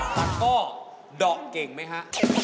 แต่ก็เดาเก่งไหมฮะ